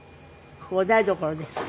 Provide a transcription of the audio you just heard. ここお台所ですか？